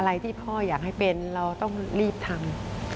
อะไรที่พ่ออยากให้เป็นเราต้องรีบทำ